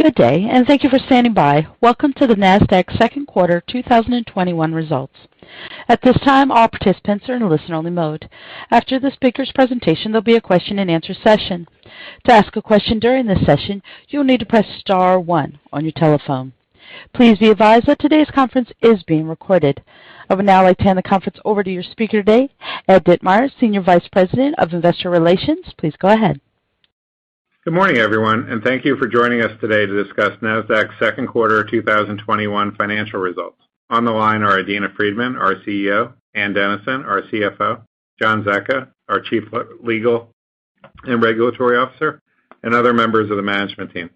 Good day, and thank you for standing by. Welcome to the Nasdaq's second quarter 2021 results. At this time, all participants are in listen-only mode. After the speaker's presentation, there will be a question-and-answer session. To ask a question during this session, you will need to press star one on your telephone. Please be advised that today's conference is being recorded. I will now hand the conference over to your speaker today, Ed Ditmire, Senior Vice President of Investor Relations. Please go ahead. Good morning, everyone, and thank you for joining us today to discuss Nasdaq's second quarter 2021 financial results. On the line are Adena Friedman, our CEO, Ann Dennison, our CFO, John Zecca, our Chief Legal and Regulatory Officer, and other members of the management team.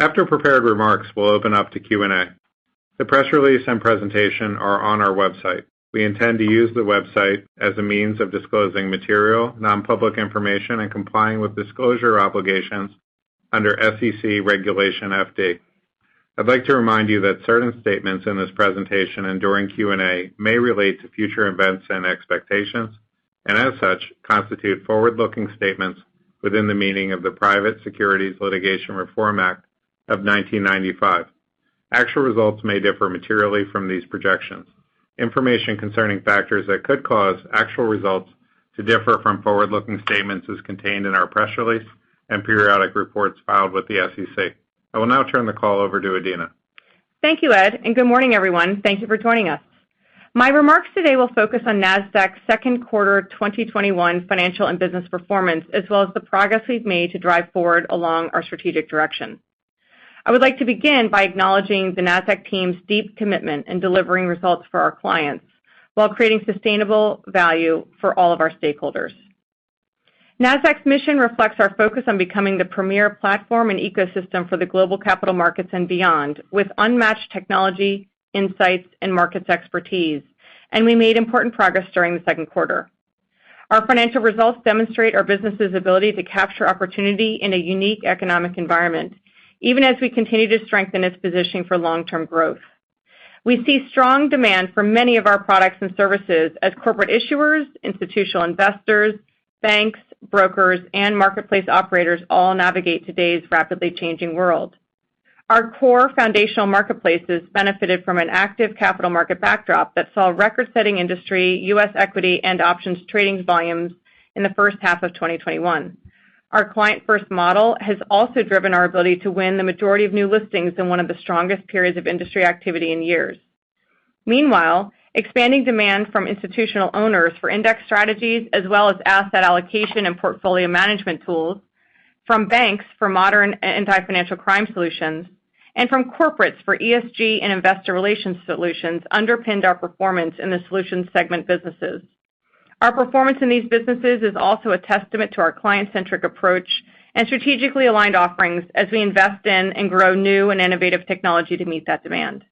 After prepared remarks, we'll open up to Q&A. The press release and presentation are on our website. We intend to use the website as a means of disclosing material, non-public information, and complying with disclosure obligations under SEC Regulation FD. I'd like to remind you that certain statements in this presentation and during Q&A may relate to future events and expectations, and as such, constitute forward-looking statements within the meaning of the Private Securities Litigation Reform Act of 1995. Actual results may differ materially from these projections. Information concerning factors that could cause actual results to differ from forward-looking statements is contained in our press release and periodic reports filed with the SEC. I will now turn the call over to Adena. Thank you, Ed. Good morning, everyone. Thank you for joining us. My remarks today will focus on Nasdaq's second quarter 2021 financial and business performance, as well as the progress we've made to drive forward along our strategic direction. I would like to begin by acknowledging the Nasdaq team's deep commitment in delivering results for our clients while creating sustainable value for all of our stakeholders. Nasdaq's mission reflects our focus on becoming the premier platform and ecosystem for the global capital markets and beyond, with unmatched technology, insights, and markets expertise, and we made important progress during the second quarter. Our financial results demonstrate our business's ability to capture opportunity in a unique economic environment, even as we continue to strengthen its positioning for long-term growth. We see strong demand for many of our products and services as corporate issuers, institutional investors, banks, brokers, and marketplace operators all navigate today's rapidly changing world. Our core foundational marketplaces benefited from an active capital market backdrop that saw record-setting industry, U.S. equity, and options trading volumes in the first half of 2021. Our client-first model has also driven our ability to win the majority of new listings in one of the strongest periods of industry activity in years. Meanwhile, expanding demand from institutional owners for index strategies as well as asset allocation and portfolio management tools, from banks for modern anti-financial crime solutions, and from corporates for ESG and investor relations solutions underpinned our performance in the solutions segment businesses. Our performance in these businesses is also a testament to our client-centric approach and strategically aligned offerings as we invest in and grow new and innovative technology to meet that demand.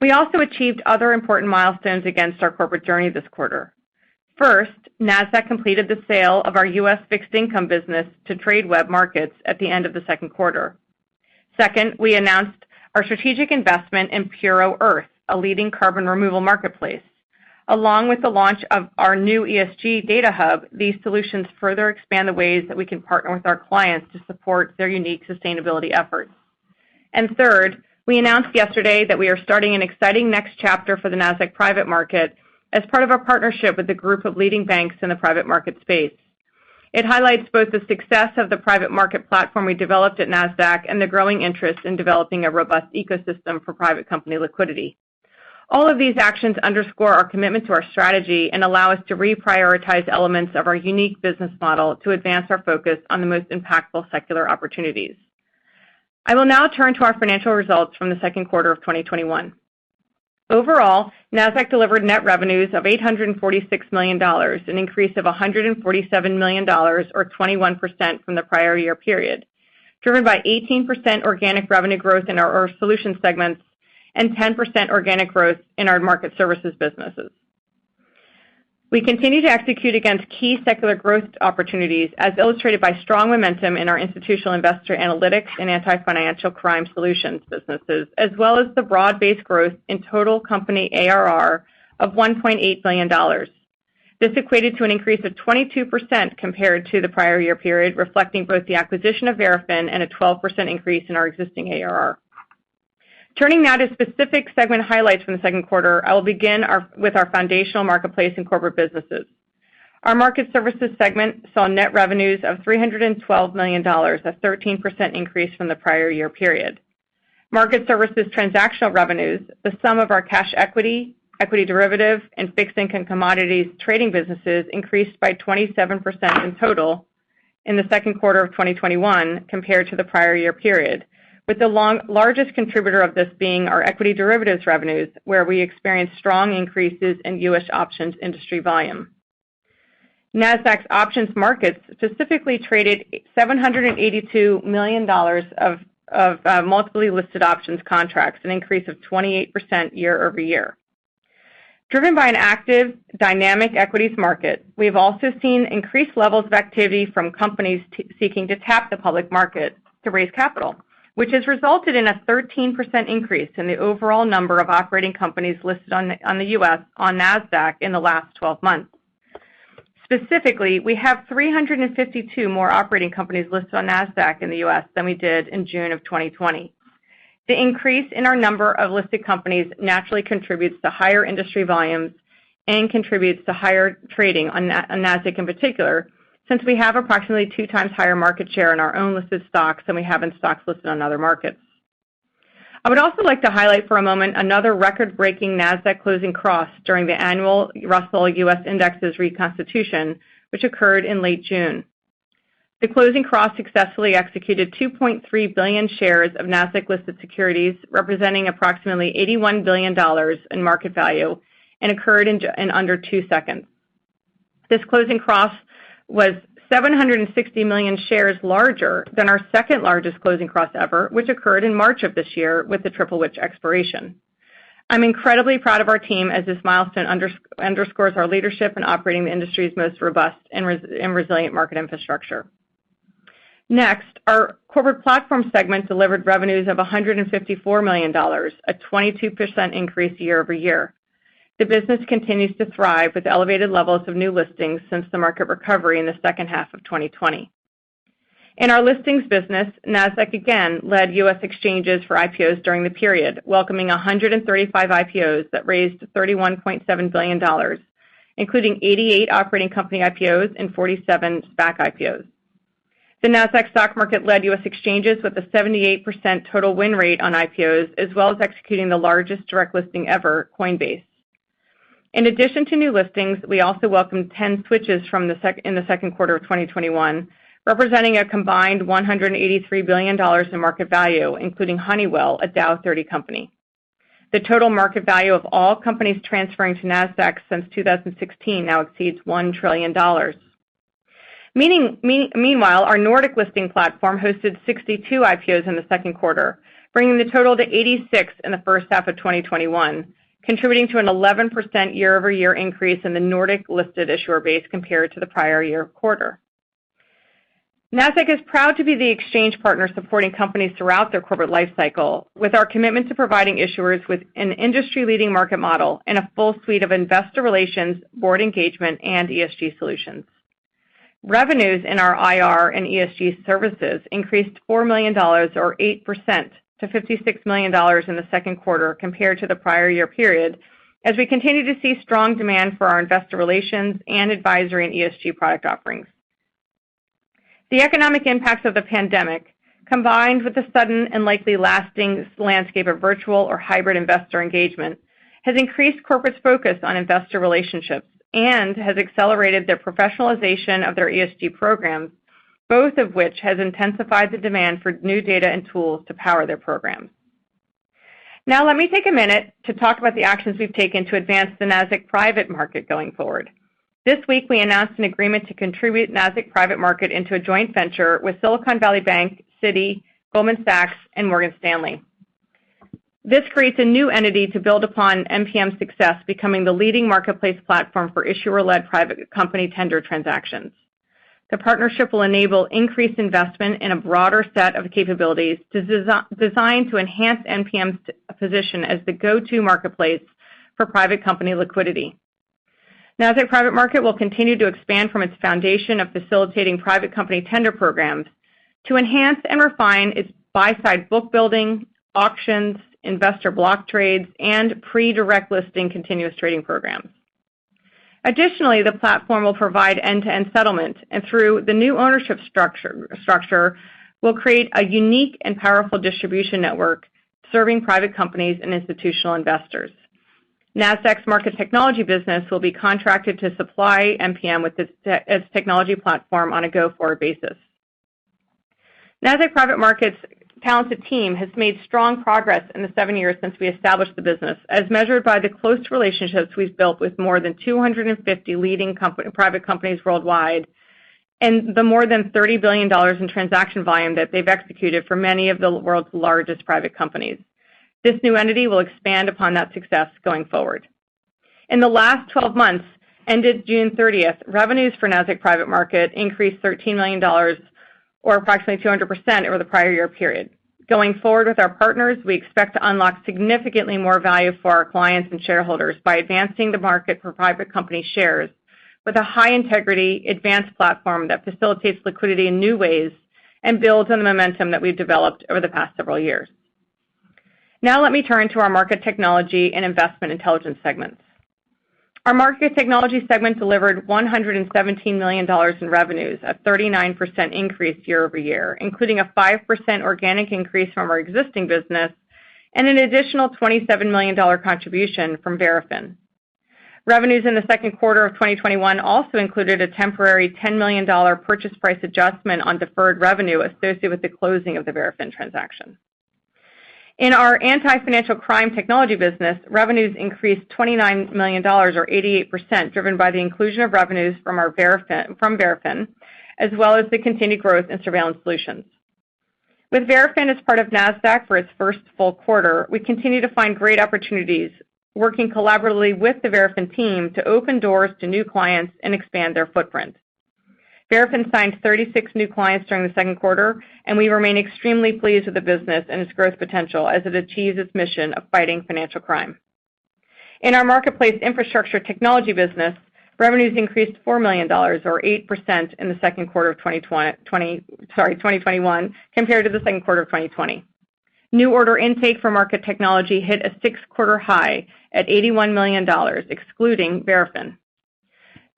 We also achieved other important milestones against our corporate journey this quarter. First, Nasdaq completed the sale of our U.S. fixed income business to Tradeweb Markets at the end of the second quarter. Second, we announced our strategic investment in Puro.earth, a leading carbon removal marketplace. Along with the launch of our new ESG Data Hub, these solutions further expand the ways that we can partner with our clients to support their unique sustainability efforts. Third, we announced yesterday that we are starting an exciting next chapter for the Nasdaq Private Market as part of our partnership with a group of leading banks in the private market space. It highlights both the success of the private market platform we developed at Nasdaq and the growing interest in developing a robust ecosystem for private company liquidity. All of these actions underscore our commitment to our strategy and allow us to reprioritize elements of our unique business model to advance our focus on the most impactful secular opportunities. I will now turn to our financial results from the second quarter of 2021. Overall, Nasdaq delivered net revenues of $846 million, an increase of $147 million or 21% from the prior year period, driven by 18% organic revenue growth in our solutions segments and 10% organic growth in our market services businesses. We continue to execute against key secular growth opportunities, as illustrated by strong momentum in our institutional investor analytics and anti-financial crime solutions businesses, as well as the broad-based growth in total company ARR of $1.8 billion. This equated to an increase of 22% compared to the prior year period, reflecting both the acquisition of Verafin and a 12% increase in our existing ARR. Turning now to specific segment highlights from the second quarter, I will begin with our foundational marketplace and corporate businesses. Our Market Services segment saw net revenues of $312 million, a 13% increase from the prior year period. Market Services transactional revenues, the sum of our cash equity derivative, and fixed income commodities trading businesses increased by 27% in total in the second quarter of 2021 compared to the prior year period, with the largest contributor of this being our equity derivatives revenues, where we experienced strong increases in U.S. options industry volume. Nasdaq's options markets specifically traded $782 million multiply listed options contracts, an increase of 28% year-over-year. Driven by an active, dynamic equities market, we've also seen increased levels of activity from companies seeking to tap the public market to raise capital, which has resulted in a 13% increase in the overall number of operating companies listed on the U.S. on Nasdaq in the last 12 months. Specifically, we have 352 more operating companies listed on Nasdaq in the U.S. than we did in June of 2020. The increase in our number of listed companies naturally contributes to higher industry volumes and contributes to higher trading on Nasdaq in particular, since we have approximately two times higher market share in our own listed stocks than we have in stocks listed on other markets. I would also like to highlight for a moment another record-breaking Nasdaq Closing Cross during the annual Russell U.S. indexes reconstitution, which occurred in late June. The Closing Cross successfully executed 2.3 billion shares of Nasdaq-listed securities, representing approximately $81 billion in market value, and occurred in under two seconds. This Closing Cross was 760 million shares larger than our second-largest Closing Cross ever, which occurred in March of this year with the triple witching expiration. I'm incredibly proud of our team as this milestone underscores our leadership in operating the industry's most robust and resilient market infrastructure. Next, our Corporate Platform segment delivered revenues of $154 million, a 22% increase year-over-year. The business continues to thrive with elevated levels of new listings since the market recovery in the second half of 2020. In our listings business, Nasdaq again led U.S. exchanges for IPOs during the period, welcoming 135 IPOs that raised $31.7 billion, including 88 operating company IPOs and 47 SPAC IPOs. The Nasdaq stock market led U.S. exchanges with a 78% total win rate on IPOs, as well as executing the largest direct listing ever, Coinbase. In addition to new listings, we also welcomed 10 switches in the second quarter of 2021, representing a combined $183 billion in market value, including Honeywell, a Dow 30 company. The total market value of all companies transferring to Nasdaq since 2016 now exceeds $1 trillion. Meanwhile, our Nordic listing platform hosted 62 IPOs in the second quarter, bringing the total to 86 in the first half of 2021, contributing to an 11% year-over-year increase in the Nordic listed issuer base compared to the prior year quarter. Nasdaq is proud to be the exchange partner supporting companies throughout their corporate life cycle, with our commitment to providing issuers with an industry-leading market model and a full suite of investor relations, board engagement, and ESG solutions. Revenues in our IR and ESG services increased $4 million, or 8%, to $56 million in the second quarter compared to the prior year period, as we continue to see strong demand for our investor relations and advisory and ESG product offerings. The economic impacts of the pandemic, combined with the sudden and likely lasting landscape of virtual or hybrid investor engagement, has increased corporate's focus on investor relationships and has accelerated their professionalization of their ESG programs, both of which has intensified the demand for new data and tools to power their programs. Let me take a minute to talk about the actions we've taken to advance the Nasdaq Private Market going forward. This week, we announced an agreement to contribute Nasdaq Private Market into a joint venture with Silicon Valley Bank, Citi, Goldman Sachs, and Morgan Stanley. This creates a new entity to build upon NPM's success, becoming the leading marketplace platform for issuer-led private company tender transactions. The partnership will enable increased investment in a broader set of capabilities designed to enhance NPM's position as the go-to marketplace for private company liquidity. Nasdaq Private Market will continue to expand from its foundation of facilitating private company tender programs to enhance and refine its buy-side book building, auctions, investor block trades, and pre-direct listing continuous trading programs. Additionally, the platform will provide end-to-end settlement and through the new ownership structure, will create a unique and powerful distribution network serving private companies and institutional investors. Nasdaq's market technology business will be contracted to supply NPM with its technology platform on a go-forward basis. Nasdaq Private Market's talented team has made strong progress in the seven years since we established the business, as measured by the close relationships we've built with more than 250 leading private companies worldwide and the more than $30 billion in transaction volume that they've executed for many of the world's largest private companies. This new entity will expand upon that success going forward. In the last 12 months, ended June 30th, revenues for Nasdaq Private Market increased $13 million, or approximately 200%, over the prior year period. Going forward with our partners, we expect to unlock significantly more value for our clients and shareholders by advancing the market for private company shares with a high-integrity, advanced platform that facilitates liquidity in new ways and builds on the momentum that we've developed over the past several years. Now let me turn to our Market Technology and Investment Intelligence segments. Our Market Technology segment delivered $117 million in revenues, a 39% increase year-over-year, including a 5% organic increase from our existing business and an additional $27 million contribution from Verafin. Revenues in the second quarter of 2021 also included a temporary $10 million purchase price adjustment on deferred revenue associated with the closing of the Verafin transaction. In our anti-financial crime technology business, revenues increased $29 million, or 88%, driven by the inclusion of revenues from Verafin, as well as the continued growth in surveillance solutions. With Verafin as part of Nasdaq for its first full quarter, we continue to find great opportunities working collaboratively with the Verafin team to open doors to new clients and expand their footprint. Verafin signed 36 new clients during the second quarter, and we remain extremely pleased with the business and its growth potential as it achieves its mission of fighting financial crime. In our marketplace infrastructure technology business, revenues increased $4 million, or 8%, in the second quarter of 2021 compared to the second quarter of 2020. New order intake for market technology hit a six-quarter high at $81 million, excluding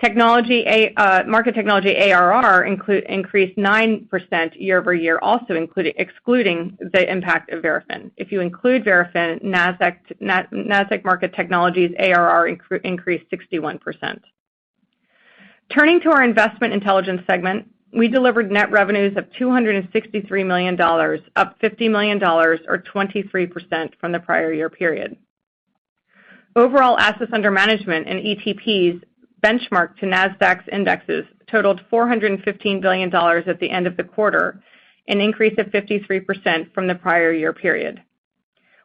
Verafin. Market technology ARR increased 9% year-over-year, also excluding the impact of Verafin. If you include Verafin, Nasdaq market technologies ARR increased 61%. Turning to our investment intelligence segment, we delivered net revenues of $263 million, up $50 million, or 23%, from the prior year period. Overall assets under management in ETPs benchmarked to Nasdaq's indexes totaled $415 billion at the end of the quarter, an increase of 53% from the prior year period.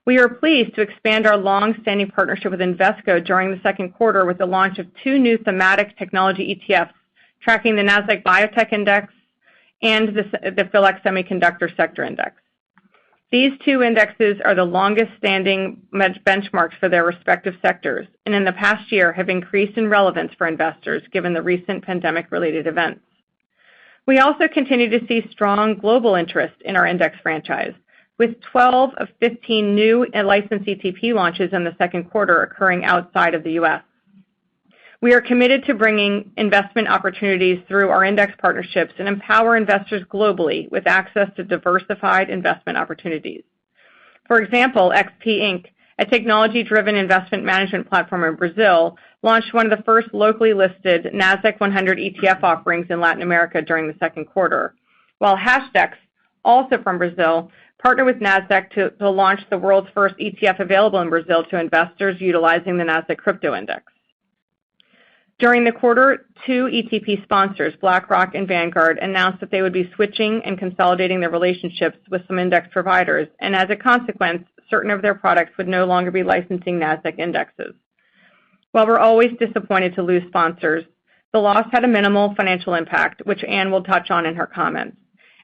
We are pleased to expand our longstanding partnership with Invesco during the second quarter with the launch of two new thematic technology ETFs tracking the Nasdaq Biotechnology Index and the PHLX Semiconductor Sector Index. These two indexes are the longest standing benchmarks for their respective sectors, and in the past year have increased in relevance for investors given the recent pandemic-related events. We also continue to see strong global interest in our index franchise, with 12 of 15 new licensed ETP launches in the second quarter occurring outside of the U.S. We are committed to bringing investment opportunities through our index partnerships and empower investors globally with access to diversified investment opportunities. For example, XP Inc., a technology-driven investment management platform in Brazil, launched one of the first locally listed Nasdaq-100 ETF offerings in Latin America during the second quarter. Hashdex, also from Brazil, partnered with Nasdaq to launch the world's first ETF available in Brazil to investors utilizing the Nasdaq Crypto Index. During the quarter, two ETP sponsors, BlackRock and Vanguard, announced that they would be switching and consolidating their relationships with some index providers, and as a consequence, certain of their products would no longer be licensing Nasdaq indexes. While we're always disappointed to lose sponsors, the loss had a minimal financial impact, which Ann will touch on in her comments.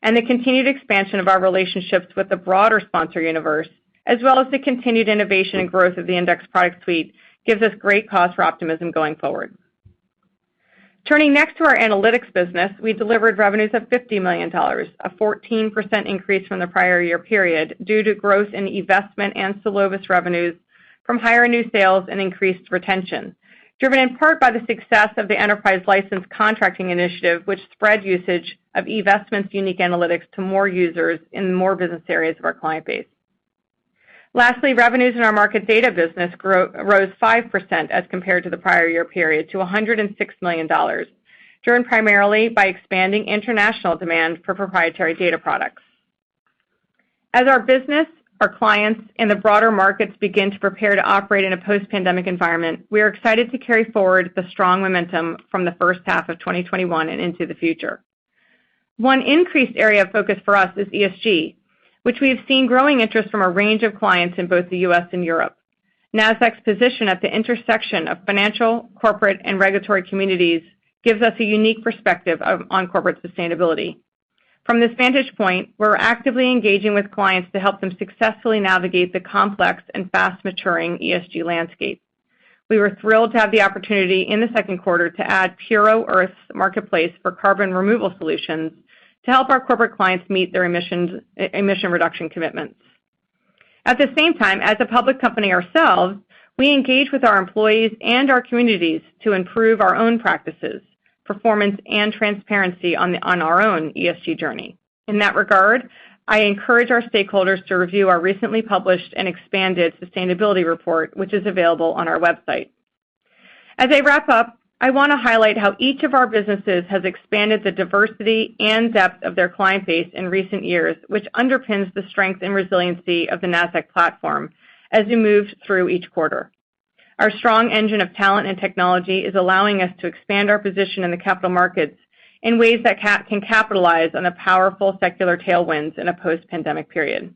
The continued expansion of our relationships with the broader sponsor universe, as well as the continued innovation and growth of the index product suite, gives us great cause for optimism going forward. Turning next to our analytics business, we delivered revenues of $50 million, a 14% increase from the prior year period due to growth in eVestment and Solovis revenues from higher new sales and increased retention, driven in part by the success of the enterprise license contracting initiative, which spread usage of eVestment's unique analytics to more users in more business areas of our client base. Lastly, revenues in our market data business rose 5% as compared to the prior year period to $106 million, driven primarily by expanding international demand for proprietary data products. As our business, our clients, and the broader markets begin to prepare to operate in a post-pandemic environment, we are excited to carry forward the strong momentum from the first half of 2021 and into the future. One increased area of focus for us is ESG, which we have seen growing interest from a range of clients in both the U.S. and Europe. Nasdaq's position at the intersection of financial, corporate, and regulatory communities gives us a unique perspective on corporate sustainability. From this vantage point, we're actively engaging with clients to help them successfully navigate the complex and fast maturing ESG landscape. We were thrilled to have the opportunity in the second quarter to add Puro.earth's marketplace for carbon removal solutions to help our corporate clients meet their emission reduction commitments. At the same time, as a public company ourselves, we engage with our employees and our communities to improve our own practices, performance, and transparency on our own ESG journey. In that regard, I encourage our stakeholders to review our recently published and expanded sustainability report, which is available on our website. As I wrap up, I want to highlight how each of our businesses has expanded the diversity and depth of their client base in recent years, which underpins the strength and resiliency of the Nasdaq platform as we move through each quarter. Our strong engine of talent and technology is allowing us to expand our position in the capital markets in ways that can capitalize on the powerful secular tailwinds in a post-pandemic period.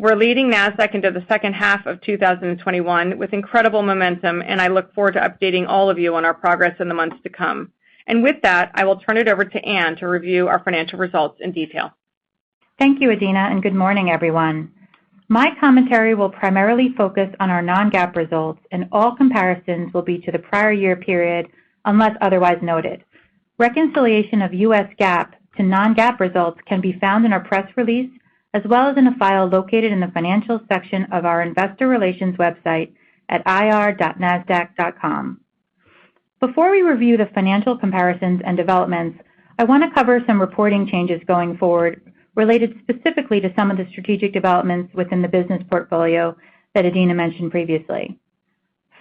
We're leading Nasdaq into the second half of 2021 with incredible momentum, and I look forward to updating all of you on our progress in the months to come. With that, I will turn it over to Ann to review our financial results in detail. Thank you, Adena, and good morning, everyone. My commentary will primarily focus on our non-GAAP results, and all comparisons will be to the prior year period, unless otherwise noted. Reconciliation of U.S. GAAP to non-GAAP results can be found in our press release, as well as in a file located in the Financial section of our investor relations website at ir.nasdaq.com. Before we review the financial comparisons and developments, I want to cover some reporting changes going forward related specifically to some of the strategic developments within the business portfolio that Adena mentioned previously.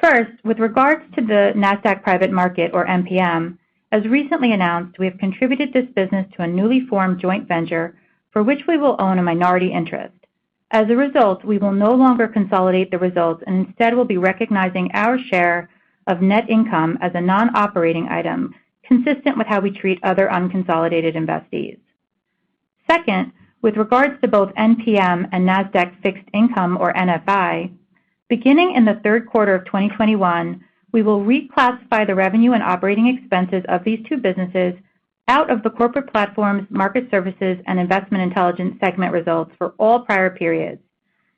First, with regards to the Nasdaq Private Market, or NPM, as recently announced, we have contributed this business to a newly formed joint venture for which we will own a minority interest. As a result, we will no longer consolidate the results and instead will be recognizing our share of net income as a non-operating item consistent with how we treat other unconsolidated investees. Second, with regards to both NPM and Nasdaq Fixed Income, or NFI, beginning in the third quarter of 2021, we will reclassify the revenue and operating expenses of these two businesses out of the Corporate Platforms, Market Services, and Investment Intelligence segment results for all prior periods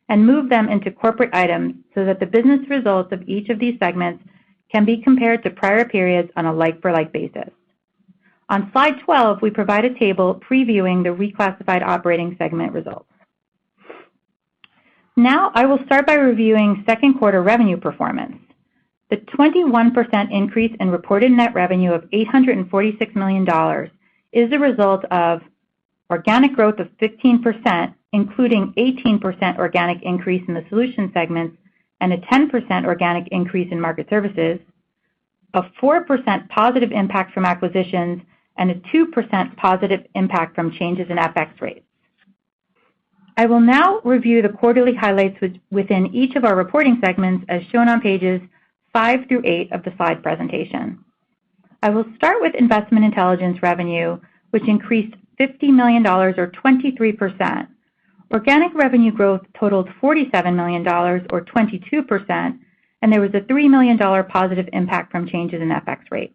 and move them into corporate items so that the business results of each of these segments can be compared to prior periods on a like-for-like basis. On slide 12, we provide a table previewing the reclassified operating segment results. Now I will start by reviewing second quarter revenue performance. The 21% increase in reported net revenue of $846 million is a result of organic growth of 15%, including 18% organic increase in the Solution Segments and a 10% organic increase in Market Services, a 4% positive impact from acquisitions, a 2% positive impact from changes in FX rates. I will now review the quarterly highlights within each of our reporting segments, as shown on pages five through eight of the slide presentation. I will start with Investment Intelligence revenue, which increased $50 million, or 23%. Organic revenue growth totaled $47 million, or 22%, and there was a $3 million positive impact from changes in FX rates.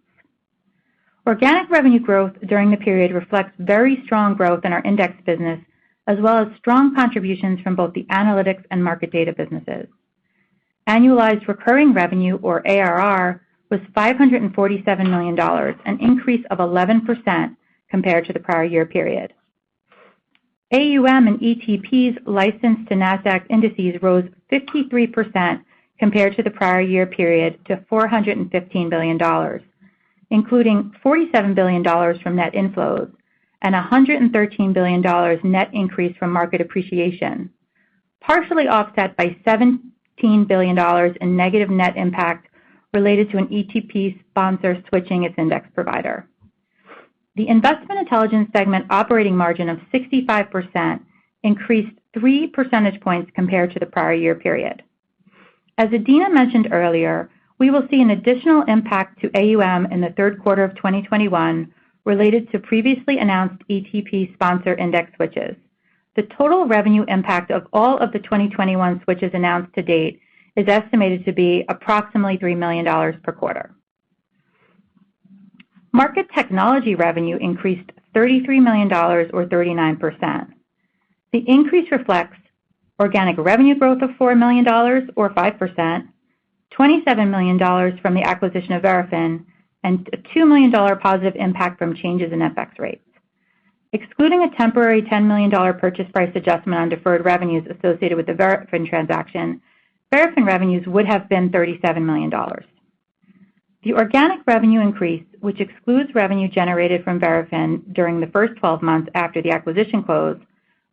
Organic revenue growth during the period reflects very strong growth in our index business, as well as strong contributions from both the analytics and market data businesses. Annualized recurring revenue, or ARR, was $547 million, an increase of 11% compared to the prior year period. AUM and ETPs licensed to Nasdaq indices rose 53% compared to the prior year period to $415 billion, including $47 billion from net inflows and $113 billion net increase from market appreciation, partially offset by $17 billion in negative net impact related to an ETP sponsor switching its index provider. The investment intelligence segment operating margin of 65% increased three percentage points compared to the prior year period. As Adena mentioned earlier, we will see an additional impact to AUM in the third quarter of 2021 related to previously announced ETP sponsor index switches. The total revenue impact of all of the 2021 switches announced to date is estimated to be approximately $3 million per quarter. Market technology revenue increased $33 million, or 39%. The increase reflects organic revenue growth of $4 million, or 5%, $27 million from the acquisition of Verafin, a $2 million positive impact from changes in FX rates. Excluding a temporary $10 million purchase price adjustment on deferred revenues associated with the Verafin transaction, Verafin revenues would have been $37 million. The organic revenue increase, which excludes revenue generated from Verafin during the first 12 months after the acquisition close,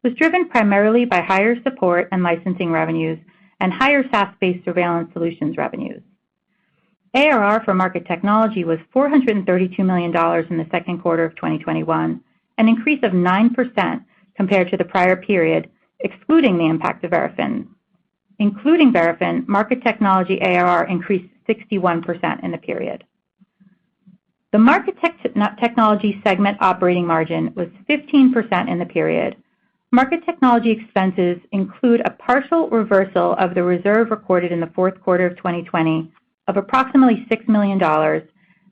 was driven primarily by higher support and licensing revenues and higher SaaS-based surveillance solutions revenues. ARR for market technology was $432 million in the second quarter of 2021, an increase of 9% compared to the prior period, excluding the impact of Verafin. Including Verafin, market technology ARR increased 61% in the period. The market technology segment operating margin was 15% in the period. Market technology expenses include a partial reversal of the reserve recorded in the fourth quarter of 2020 of approximately $6 million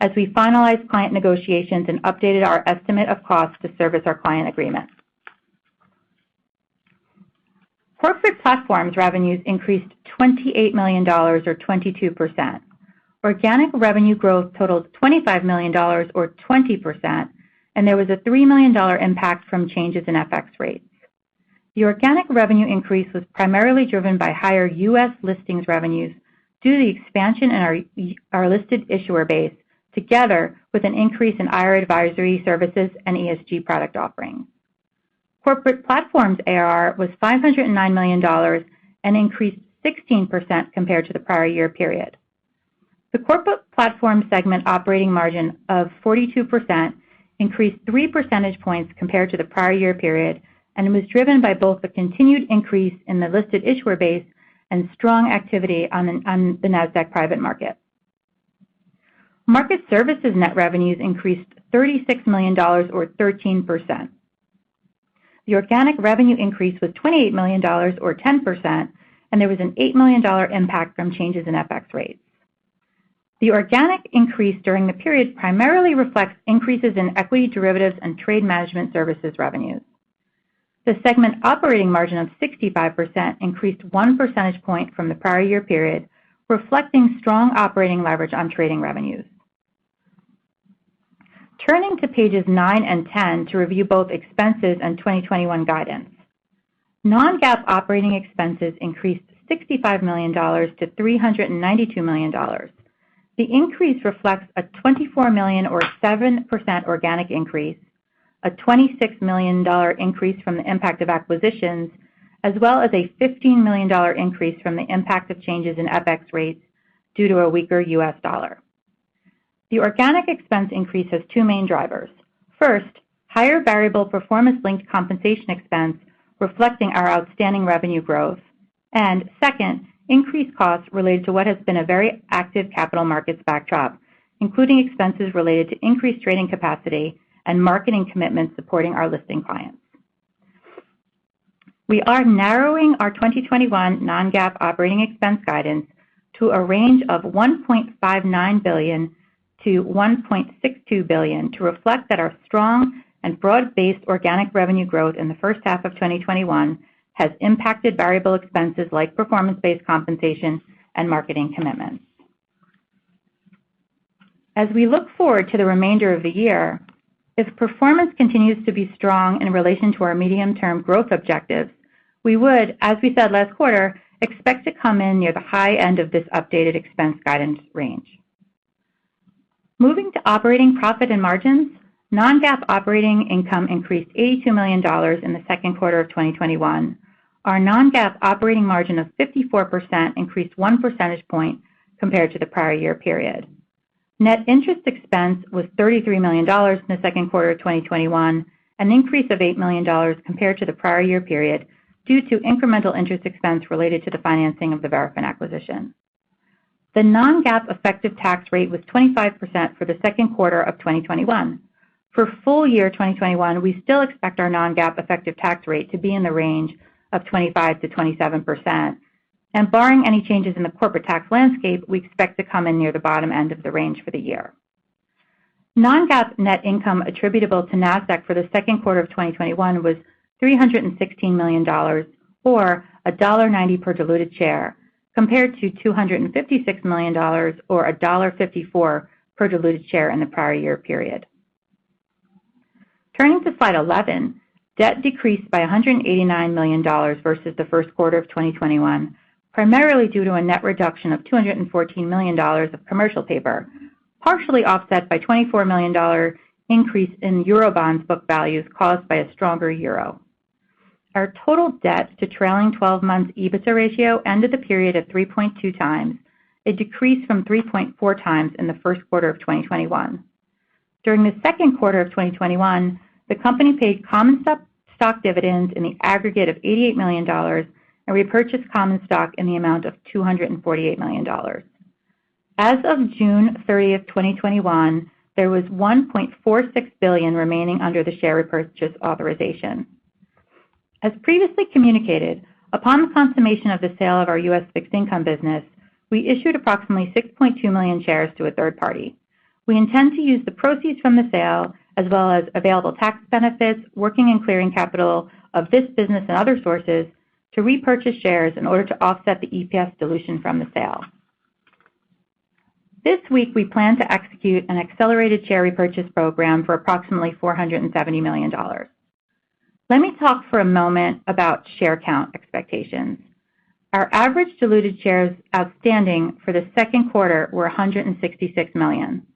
as we finalized client negotiations and updated our estimate of cost to service our client agreements. Corporate Platforms revenues increased $28 million, or 22%. Organic revenue growth totaled $25 million, or 20%, and there was a $3 million impact from changes in FX rates. The organic revenue increase was primarily driven by higher U.S. listings revenues due to the expansion in our listed issuer base, together with an increase in IR advisory services and ESG product offerings. Corporate Platforms ARR was $509 million, an increase 16% compared to the prior year period. The corporate platform segment operating margin of 42% increased three percentage points compared to the prior year period. It was driven by both the continued increase in the listed issuer base and strong activity on the Nasdaq Private Market. Market services net revenues increased $36 million, or 13%. The organic revenue increase was $28 million, or 10%. There was an $8 million impact from changes in FX rates. The organic increase during the period primarily reflects increases in equity derivatives and trade management services revenues. The segment operating margin of 65% increased one percentage point from the prior year period, reflecting strong operating leverage on trading revenues. Turning to pages nine and ten to review both expenses and 2021 guidance. Non-GAAP operating expenses increased $65 million-$392 million. The increase reflects a $24 million, or 7% organic increase, a $26 million increase from the impact of acquisitions, as well as a $15 million increase from the impact of changes in FX rates due to a weaker U.S. dollar. The organic expense increase has two main drivers. First, higher variable performance-linked compensation expense reflecting our outstanding revenue growth. Second, increased costs related to what has been a very active capital markets backdrop, including expenses related to increased trading capacity and marketing commitments supporting our listing clients. We are narrowing our 2021 non-GAAP operating expense guidance to a range of $1.59 billion-$1.62 billion to reflect that our strong and broad-based organic revenue growth in the first half of 2021 has impacted variable expenses like performance-based compensation and marketing commitments. As we look forward to the remainder of the year, if performance continues to be strong in relation to our medium-term growth objectives, we would, as we said last quarter, expect to come in near the high end of this updated expense guidance range. Moving to operating profit and margins, non-GAAP operating income increased $82 million in the second quarter of 2021. Our non-GAAP operating margin of 54% increased 1 percentage point compared to the prior year period. Net interest expense was $33 million in the second quarter of 2021, an increase of $8 million compared to the prior year period, due to incremental interest expense related to the financing of the Verafin acquisition. The non-GAAP effective tax rate was 25% for the second quarter of 2021. For full year 2021, we still expect our non-GAAP effective tax rate to be in the range of 25%-27%, and barring any changes in the corporate tax landscape, we expect to come in near the bottom end of the range for the year. Non-GAAP net income attributable to Nasdaq for the second quarter of 2021 was $316 million, or $1.90 per diluted share, compared to $256 million or $1.54 per diluted share in the prior year period. Turning to slide 11, debt decreased by $189 million versus the first quarter of 2021, primarily due to a net reduction of $214 million of commercial paper, partially offset by $24 million increase in Eurobonds book values caused by a stronger euro. Our total debt to trailing 12-month EBITDA ratio ended the period at 3.2x. It decreased from 3.4x in the first quarter of 2021. During the second quarter of 2021, the company paid common stock dividends in the aggregate of $88 million and repurchased common stock in the amount of $248 million. As of June 30th, 2021, there was $1.46 billion remaining under the share repurchase authorization. As previously communicated, upon the consummation of the sale of our U.S. fixed income business, we issued approximately 6.2 million shares to a third party. We intend to use the proceeds from the sale, as well as available tax benefits, working and clearing capital of this business and other sources, to repurchase shares in order to offset the EPS dilution from the sale. This week, we plan to execute an accelerated share repurchase program for approximately $470 million. Let me talk for a moment about share count expectations. Our average diluted shares outstanding for the second quarter were 166 million.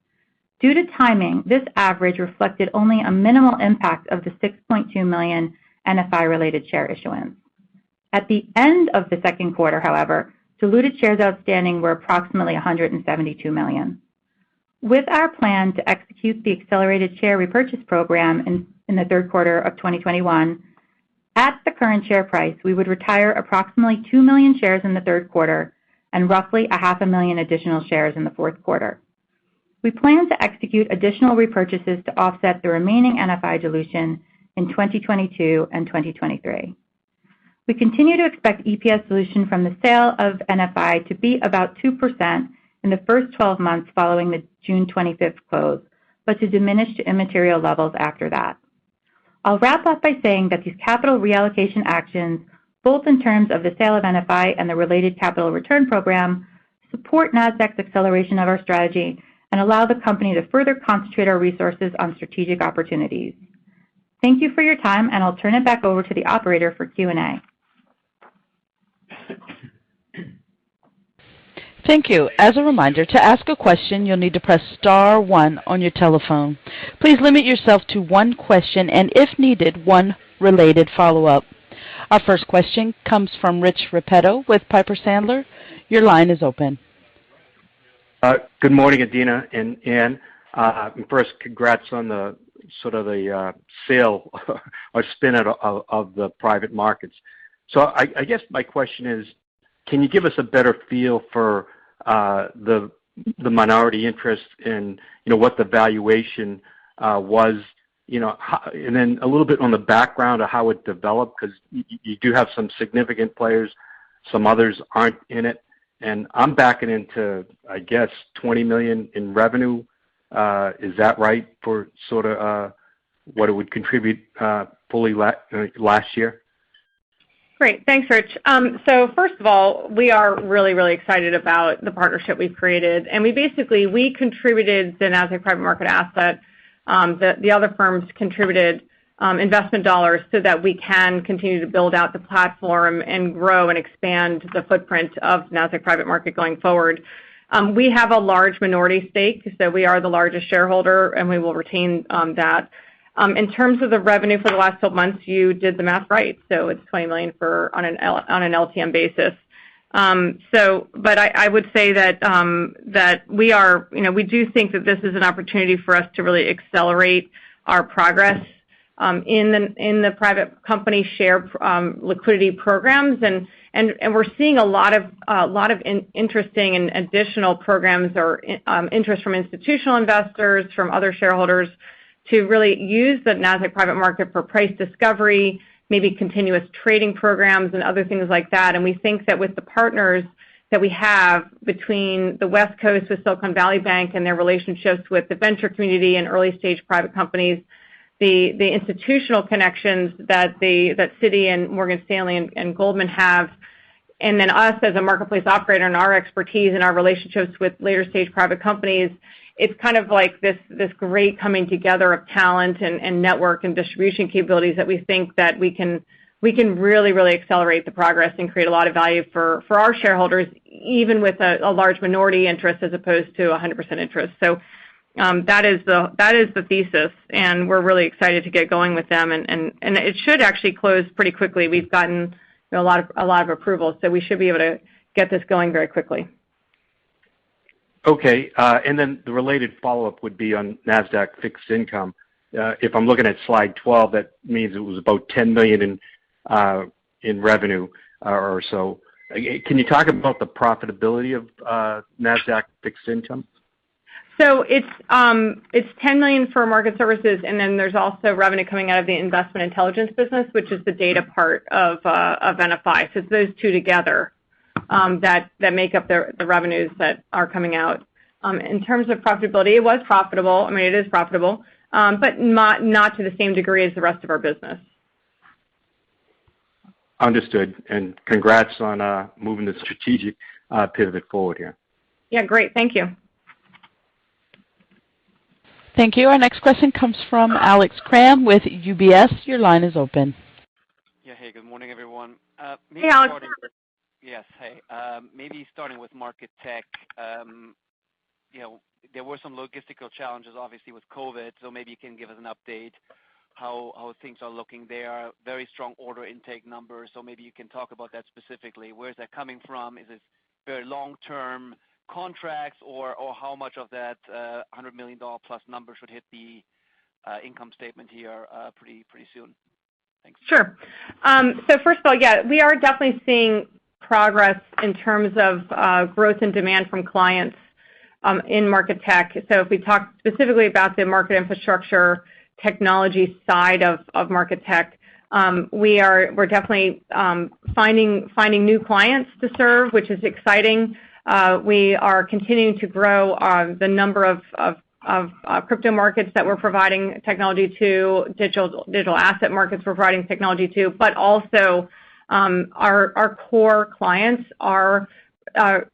Due to timing, this average reflected only a minimal impact of the 6.2 million NFI-related share issuance. At the end of the second quarter, however, diluted shares outstanding were approximately 172 million. With our plan to execute the accelerated share repurchase program in the third quarter of 2021, at the current share price, we would retire approximately 2 million shares in the third quarter and roughly 0.5 million additional shares in the fourth quarter. We plan to execute additional repurchases to offset the remaining NFI dilution in 2022 and 2023. We continue to expect EPS dilution from the sale of NFI to be about 2% in the first 12 months following the June 25th close, but to diminish to immaterial levels after that. I'll wrap up by saying that these capital reallocation actions, both in terms of the sale of NFI and the related capital return program, support Nasdaq's acceleration of our strategy and allow the company to further concentrate our resources on strategic opportunities. Thank you for your time, and I'll turn it back over to the operator for Q&A. Thank you. As a reminder, to ask a question, you'll need to press star one on your telephone. Please limit yourself to one question and, if needed, one related follow-up. Our first question comes from Rich Repetto with Piper Sandler. Your line is open. Good morning, Adena and Ann. First, congrats on the sale or spin out of the Private Markets. I guess my question is, can you give us a better feel for the minority interest in what the valuation was, and then a little bit on the background of how it developed, because you do have some significant players, some others aren't in it, and I'm backing into, I guess, $20 million in revenue. Is that right for what it would contribute fully last year? Great. Thanks, Rich. First of all, we are really, really excited about the partnership we've created, and we basically contributed the Nasdaq Private Market asset. The other firms contributed investment dollars so that we can continue to build out the platform and grow and expand the footprint of Nasdaq Private Market going forward. We have a large minority stake, so we are the largest shareholder, and we will retain that. In terms of the revenue for the last 12 months, you did the math right. It's $20 million on an LTM basis. I would say that we do think that this is an opportunity for us to really accelerate our progress in the private company share liquidity programs, and we're seeing a lot of interesting and additional programs or interest from institutional investors, from other shareholders, to really use the Nasdaq Private Market for price discovery, maybe continuous trading programs and other things like that. We think that with the partners that we have between the West Coast with Silicon Valley Bank and their relationships with the venture community and early-stage private companies, the institutional connections that Citi and Morgan Stanley and Goldman have, and then us as a marketplace operator and our expertise and our relationships with later-stage private companies, it's like this great coming together of talent and network and distribution capabilities that we think that we can really, really accelerate the progress and create a lot of value for our shareholders, even with a large minority interest as opposed to 100% interest. That is the thesis, and we're really excited to get going with them, and it should actually close pretty quickly. We've gotten a lot of approvals, so we should be able to get this going very quickly. Okay. The related follow-up would be on Nasdaq Fixed Income. If I'm looking at slide 12, that means it was about $10 million in revenue or so. Can you talk about the profitability of Nasdaq Fixed Income? It's $10 million for market services, and then there's also revenue coming out of the investment intelligence business, which is the data part of NFI. It's those two together that make up the revenues that are coming out. In terms of profitability, it was profitable. I mean, it is profitable, but not to the same degree as the rest of our business. Understood, congrats on moving the strategic pivot forward here. Yeah, great. Thank you. Thank you. Our next question comes from Alex Kramm with UBS. Your line is open. Yeah. Hey, good morning, everyone. Hey, Alex. Yes. Hey. Maybe starting with Market Tech. There were some logistical challenges, obviously, with COVID. Maybe you can give us an update how things are looking there. Very strong order intake numbers. Maybe you can talk about that specifically. Where is that coming from? Is it very long-term contracts, or how much of that $100 million+ number should hit the income statement here pretty soon? Thanks. Sure. First of all, yeah, we are definitely seeing progress in terms of growth and demand from clients in Market Tech. If we talk specifically about the market infrastructure technology side of Market Tech, we're definitely finding new clients to serve, which is exciting. We are continuing to grow the number of crypto markets that we're providing technology to, digital asset markets we're providing technology to, but also our core clients are,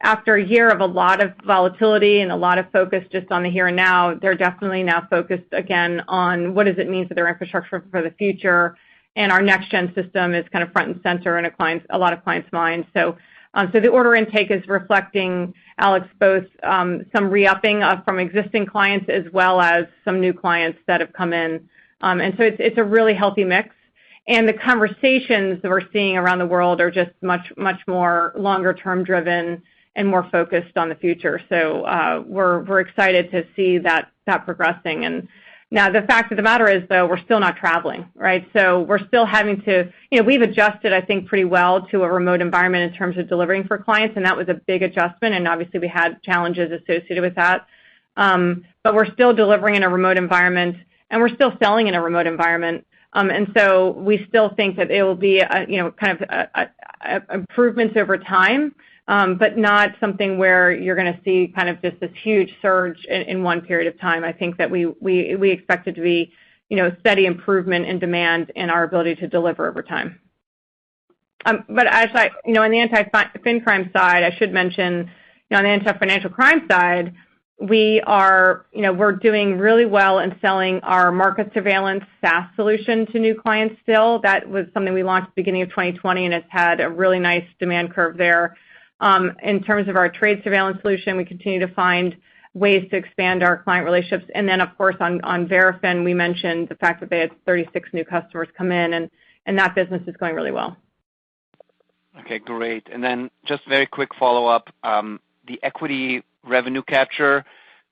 after a year of a lot of volatility and a lot of focus just on the here and now. They're definitely now focused again on what does it mean for their infrastructure for the future, and our next-gen system is kind of front and center in a lot of clients' minds. The order intake is reflecting, Alex, both some re-upping from existing clients as well as some new clients that have come in. It's a really healthy mix, and the conversations that we're seeing around the world are just much more longer-term driven and more focused on the future. We're excited to see that progressing. Now the fact of the matter is, though, we're still not traveling. We've adjusted, I think, pretty well to a remote environment in terms of delivering for clients, and that was a big adjustment, and obviously, we had challenges associated with that. We're still delivering in a remote environment, and we're still selling in a remote environment. We still think that it will be kind of improvements over time, but not something where you're going to see just this huge surge in one period of time. I think that we expect it to be steady improvement in demand and our ability to deliver over time. On the fincrime side, I should mention, on the financial crime side, we're doing really well in selling our market surveillance SaaS solution to new clients still. That was something we launched beginning of 2020, and it's had a really nice demand curve there. In terms of our trade surveillance solution, we continue to find ways to expand our client relationships. Then, of course, on Verafin, we mentioned the fact that they had 36 new customers come in, and that business is going really well. Okay, great. Just very quick follow-up. The equity revenue capture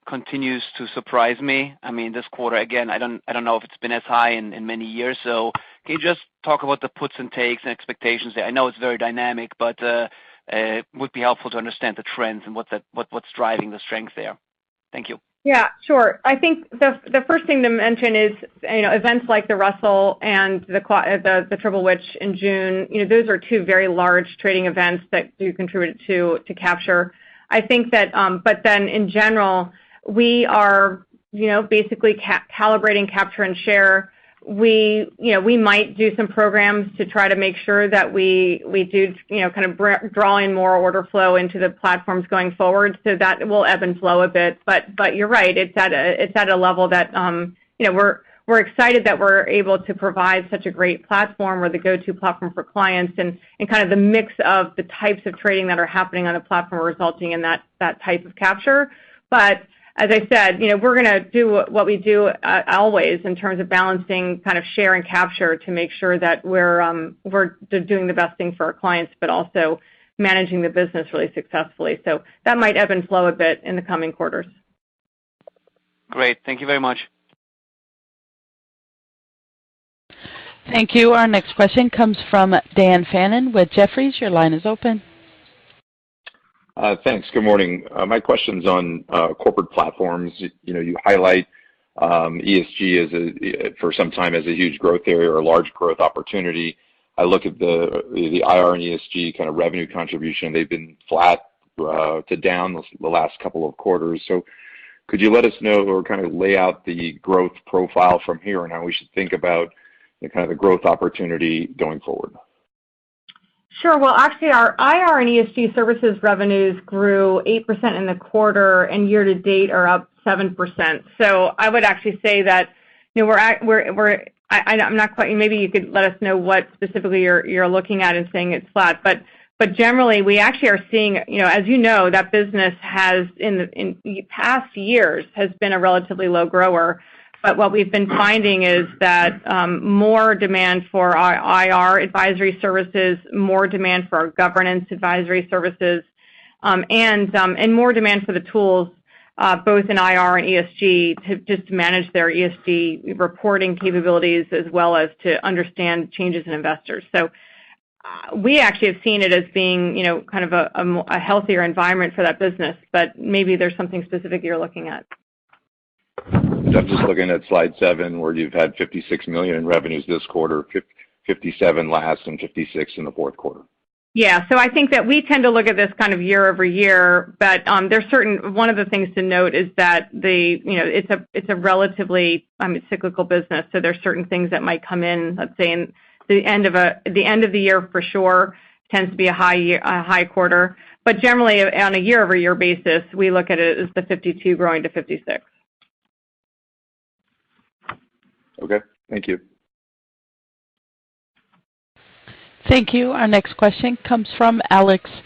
continues to surprise me. I mean, this quarter, again, I don't know if it's been as high in many years. Can you just talk about the puts and takes and expectations there? I know it's very dynamic, would be helpful to understand the trends and what's driving the strength there. Thank you. Yeah, sure. I think the first thing to mention is events like the Russell and the Triple Witch in June, those are two very large trading events that do contribute to capture. In general, we are basically calibrating capture and share. We might do some programs to try to make sure that we do kind of draw in more order flow into the platforms going forward. That will ebb and flow a bit. You're right. It's at a level that we're excited that we're able to provide such a great platform or the go-to platform for clients and kind of the mix of the types of trading that are happening on a platform resulting in that type of capture. As I said, we're going to do what we do always in terms of balancing share and capture to make sure that we're doing the best thing for our clients but also managing the business really successfully. That might ebb and flow a bit in the coming quarters. Great. Thank you very much. Thank you. Our next question comes from Dan Fannon with Jefferies. Your line is open. Thanks. Good morning. My question's on corporate platforms. You highlight ESG for some time as a huge growth area or a large growth opportunity. I look at the IR and ESG kind of revenue contribution. They've been flat to down the last couple of quarters. Could you let us know or kind of lay out the growth profile from here and how we should think about the kind of growth opportunity going forward? Sure. Actually, our IR and ESG services revenues grew 8% in the quarter and year to date are up 7%. I would actually say that. Maybe you could let us know what specifically you're looking at and saying it's flat. Generally, we actually are seeing, as you know, that business in the past years has been a relatively low grower. What we've been finding is that more demand for our IR advisory services, more demand for our governance advisory services, and more demand for the tools, both in IR and ESG, to just manage their ESG reporting capabilities, as well as to understand changes in investors. We actually have seen it as being kind of a healthier environment for that business. Maybe there's something specific you're looking at. I'm just looking at slide seven, where you've had $56 million in revenues this quarter, $57 million last and $56 million in the fourth quarter. Yeah. I think that we tend to look at this kind of year-over-year, one of the things to note is that it's a relatively cyclical business, there's certain things that might come in, let's say, in the end of the year, for sure, tends to be a high quarter. Generally, on a year-over-year basis, we look at it as the 52 growing to 56. Okay. Thank you. Thank you. Our next question comes from Alexander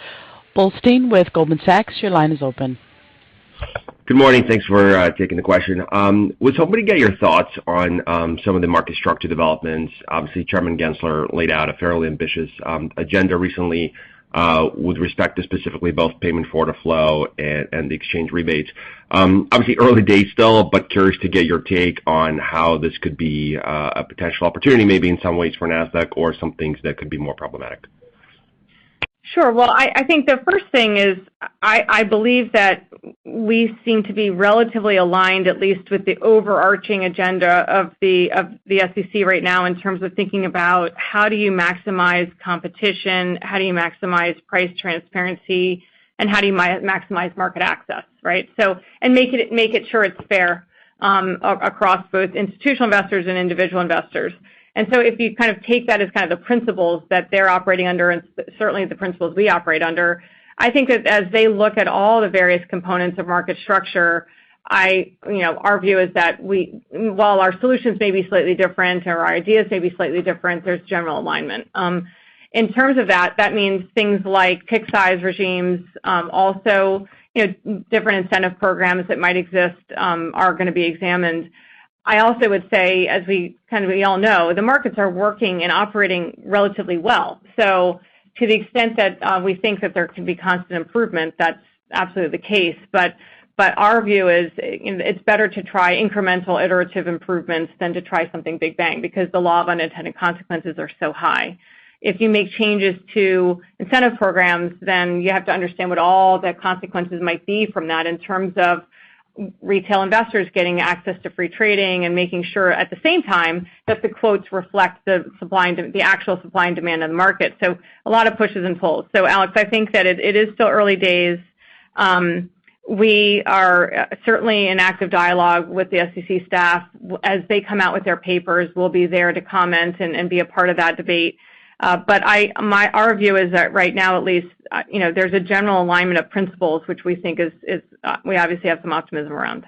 Blostein with Goldman Sachs. Your line is open. Good morning. Thanks for taking the question. I was hoping to get your thoughts on some of the market structure developments. Obviously, Chairman Gensler laid out a fairly ambitious agenda recently with respect to specifically both payment for order flow and the exchange rebates. Obviously early days still, but curious to get your take on how this could be a potential opportunity maybe in some ways for Nasdaq or some things that could be more problematic. Sure. Well, I think the first thing is, I believe that we seem to be relatively aligned, at least with the overarching agenda of the SEC right now in terms of thinking about how do you maximize competition, how do you maximize price transparency, and how do you maximize market access, right? Make sure it's fair across both institutional investors and individual investors. If you kind of take that as kind of the principles that they're operating under, and certainly the principles we operate under. I think that as they look at all the various components of market structure, our view is that while our solutions may be slightly different or our ideas may be slightly different, there's general alignment. In terms of that means things like tick size regimes, also different incentive programs that might exist are going to be examined. I also would say, as we all know, the markets are working and operating relatively well. To the extent that we think that there can be constant improvement, that's absolutely the case. Our view is it's better to try incremental iterative improvements than to try something big bang, because the law of unintended consequences are so high. If you make changes to incentive programs, then you have to understand what all the consequences might be from that in terms of retail investors getting access to free trading and making sure at the same time that the quotes reflect the actual supply and demand of the market. A lot of pushes and pulls. Alex, I think that it is still early days. We are certainly in active dialogue with the SEC staff. As they come out with their papers, we'll be there to comment and be a part of that debate. Our view is that right now, at least, there's a general alignment of principles, which we obviously have some optimism around.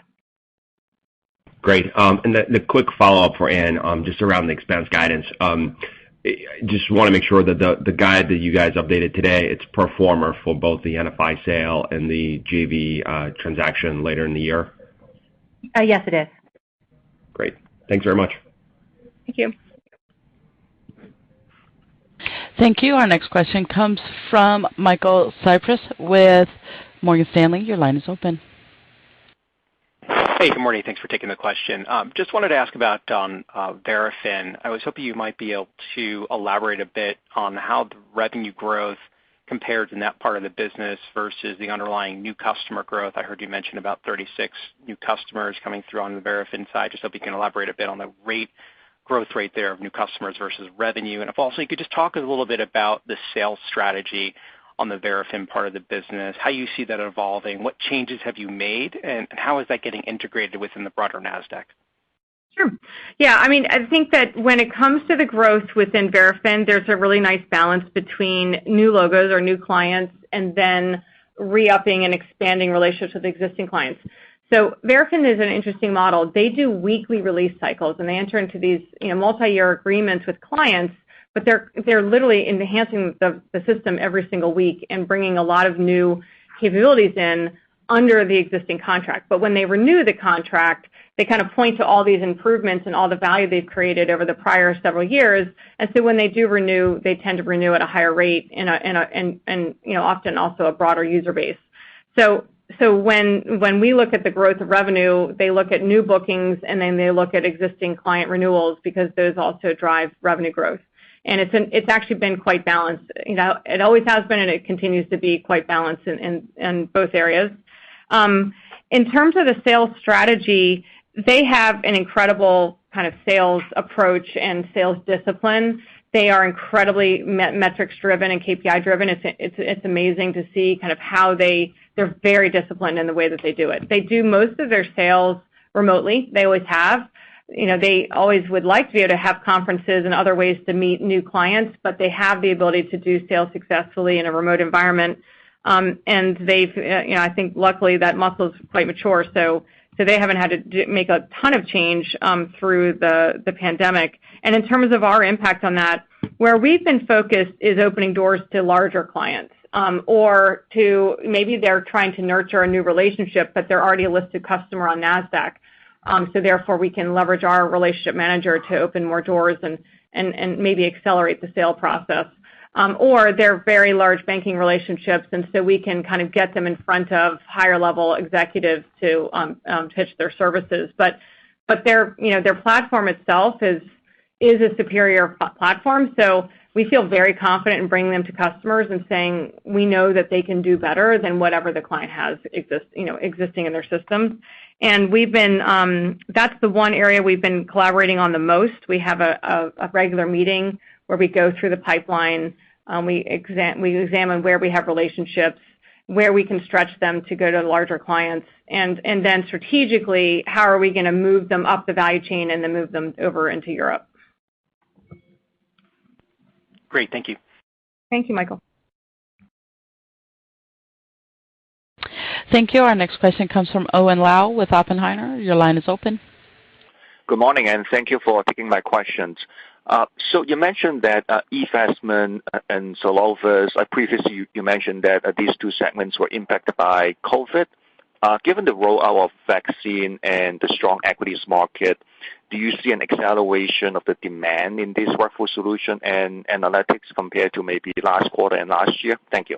Great. The quick follow-up for Ann, just around the expense guidance. Just want to make sure that the guide that you guys updated today, it's pro forma for both the NFI sale and the JV transaction later in the year. Yes, it is. Great. Thanks very much. Thank you. Thank you. Our next question comes from Michael Cyprys with Morgan Stanley. Your line is open. Hey, good morning. Thanks for taking the question. Wanted to ask about Verafin. I was hoping you might be able to elaborate a bit on how the revenue growth compares in that part of the business versus the underlying new customer growth. I heard you mention about 36 new customers coming through on the Verafin side. Hope you can elaborate a bit on the growth rate there of new customers versus revenue. If also you could talk a little bit about the sales strategy on the Verafin part of the business, how you see that evolving, what changes have you made, and how is that getting integrated within the broader Nasdaq? Sure. Yeah, I think that when it comes to the growth within Verafin, there's a really nice balance between new logos or new clients and then re-upping and expanding relationships with existing clients. Verafin is an interesting model. They do weekly release cycles, and they enter into these multi-year agreements with clients, but they're literally enhancing the system every single week and bringing a lot of new capabilities in under the existing contract. When they renew the contract, they kind of point to all these improvements and all the value they've created over the prior several years. When they do renew, they tend to renew at a higher rate and often also a broader user base. When we look at the growth of revenue, they look at new bookings, and then they look at existing client renewals because those also drive revenue growth. It's actually been quite balanced. It always has been, and it continues to be quite balanced in both areas. In terms of the sales strategy, they have an incredible kind of sales approach and sales discipline. They are incredibly metrics-driven and KPI-driven. It's amazing to see kind of how they're very disciplined in the way that they do it. They do most of their sales remotely. They always have. They always would like to be able to have conferences and other ways to meet new clients, but they have the ability to do sales successfully in a remote environment. I think luckily, that muscle's quite mature, so they haven't had to make a ton of change through the pandemic. In terms of our impact on that, where we've been focused is opening doors to larger clients, or to maybe they're trying to nurture a new relationship, but they're already a listed customer on Nasdaq. Therefore, we can leverage our relationship manager to open more doors and maybe accelerate the sale process. They're very large banking relationships, and so we can kind of get them in front of higher-level executives to pitch their services. Their platform itself is a superior platform, so we feel very confident in bringing them to customers and saying, "We know that they can do better than whatever the client has existing in their systems." That's the one area we've been collaborating on the most. We have a regular meeting where we go through the pipeline. We examine where we have relationships, where we can stretch them to go to larger clients, and then strategically, how are we going to move them up the value chain and then move them over into Europe? Great. Thank you. Thank you, Michael. Thank you. Our next question comes from Owen Lau with Oppenheimer. Your line is open. Good morning, and thank you for taking my questions. You mentioned that E*TRADE and Solovis, previously, you mentioned that these two segments were impacted by COVID. Given the rollout of vaccine and the strong equities market, do you see an acceleration of the demand in this workflow solution and analytics compared to maybe last quarter and last year? Thank you.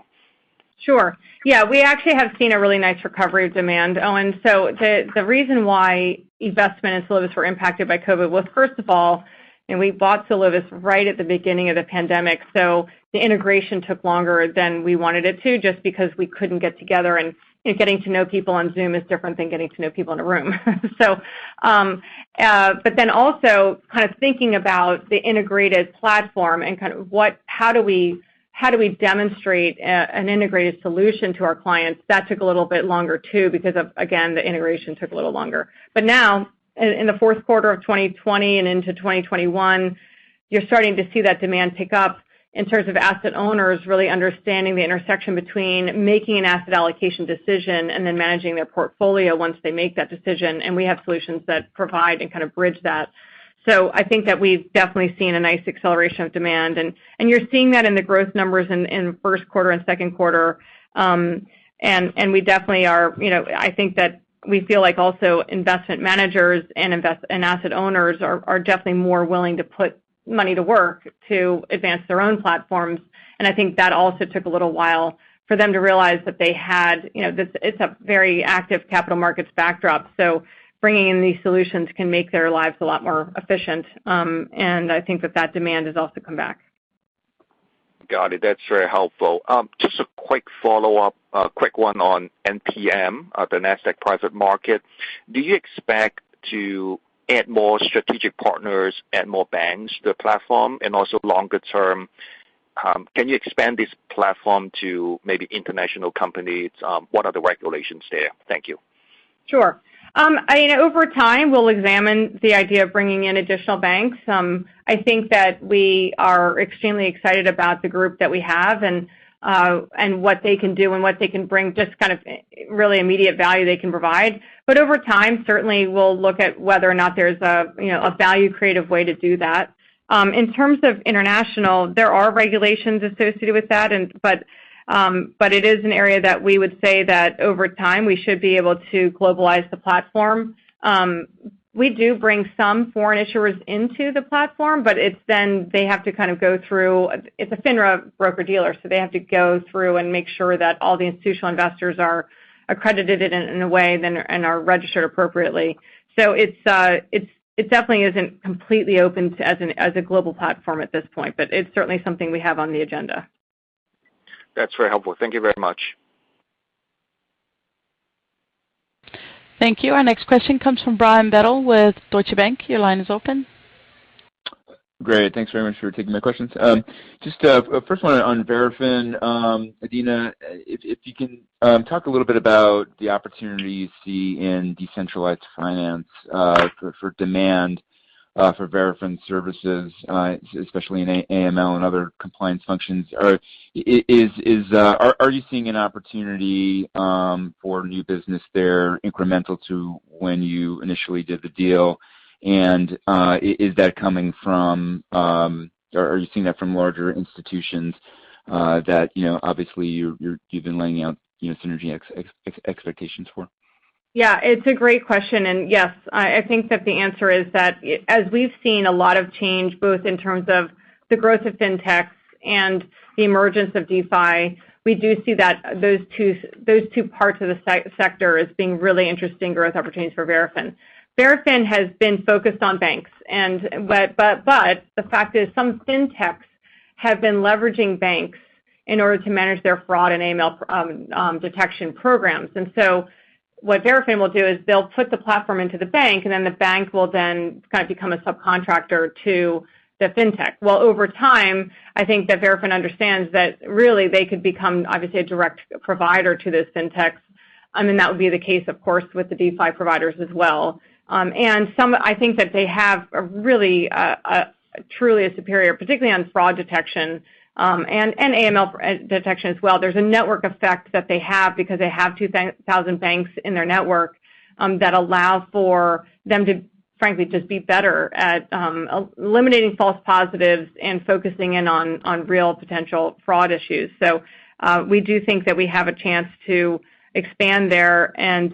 Sure. Yeah, we actually have seen a really nice recovery of demand, Owen. The reason why E*TRADE and Solovis were impacted by COVID was, first of all, we bought Solovis right at the beginning of the pandemic, so the integration took longer than we wanted it to, just because we couldn't get together, and getting to know people on Zoom is different than getting to know people in a room. Also kind of thinking about the integrated platform and how do we demonstrate an integrated solution to our clients, that took a little bit longer, too, because, again, the integration took a little longer. Now, in the fourth quarter of 2020 and into 2021, you're starting to see that demand pick up in terms of asset owners really understanding the intersection between making an asset allocation decision and then managing their portfolio once they make that decision, and we have solutions that provide and kind of bridge that. I think that we've definitely seen a nice acceleration of demand, and you're seeing that in the growth numbers in first quarter and second quarter. I think that we feel like also investment managers and asset owners are definitely more willing to put money to work to advance their own platforms. I think that also took a little while for them to realize that it's a very active capital markets backdrop, bringing in these solutions can make their lives a lot more efficient. I think that that demand has also come back. Got it. That's very helpful. Just a quick follow-up. A quick one on NPM, the Nasdaq Private Market. Do you expect to add more strategic partners, add more banks to the platform, also longer term, can you expand this platform to maybe international companies? What are the regulations there? Thank you. Sure. Over time, we'll examine the idea of bringing in additional banks. I think that we are extremely excited about the group that we have and what they can do and what they can bring, just kind of really immediate value they can provide. Over time, certainly we'll look at whether or not there's a value-accretive way to do that. In terms of international, there are regulations associated with that, but it is an area that we would say that over time, we should be able to globalize the platform. We do bring some foreign issuers into the platform, but it's a FINRA broker-dealer, so they have to go through and make sure that all the institutional investors are accredited in a way and are registered appropriately. It definitely isn't completely open as a global platform at this point, but it's certainly something we have on the agenda. That's very helpful. Thank you very much. Thank you. Our next question comes from Brian Bedell with Deutsche Bank. Your line is open. Great. Thanks very much for taking my questions. Just first one on Verafin, Adena, if you can talk a little bit about the opportunity you see in decentralized finance for demand for Verafin services, especially in AML and other compliance functions? Are you seeing an opportunity for new business there incremental to when you initially did the deal? Are you seeing that from larger institutions that obviously you've been laying out synergy expectations for? It's a great question. Yes, I think that the answer is that as we've seen a lot of change, both in terms of the growth of fintechs and the emergence of DeFi, we do see that those two parts of the sector as being really interesting growth opportunities for Verafin. Verafin has been focused on banks. The fact is some fintechs have been leveraging banks in order to manage their fraud and AML detection programs. What Verafin will do is they'll put the platform into the bank, and then the bank will then kind of become a subcontractor to the fintech. Over time, I think that Verafin understands that really they could become obviously a direct provider to those fintechs. That would be the case, of course, with the DeFi providers as well. I think that they have a truly superior, particularly on fraud detection, and AML detection as well. There's a network effect that they have because they have 2,000 banks in their network that allow for them to frankly just be better at eliminating false positives and focusing in on real potential fraud issues. We do think that we have a chance to expand there and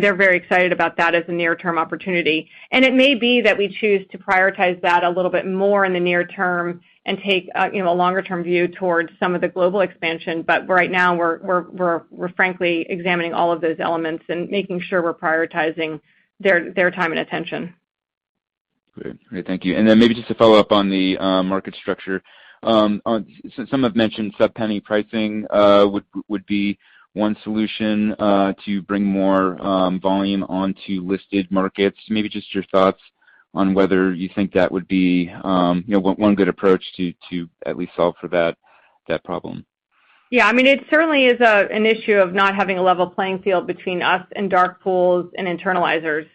they're very excited about that as a near-term opportunity. It may be that we choose to prioritize that a little bit more in the near term and take a longer-term view towards some of the global expansion. Right now we're frankly examining all of those elements and making sure we're prioritizing their time and attention. Great. Thank you. Then maybe just to follow up on the market structure. Some have mentioned sub-penny pricing would be one solution to bring more volume onto listed markets. Maybe just your thoughts on whether you think that would be one good approach to at least solve for that problem? Yeah, it certainly is an issue of not having a level playing field between us and dark pools and internalizers.